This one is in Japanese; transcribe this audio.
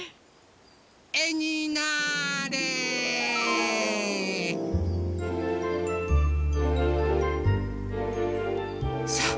えになあれ！さあ！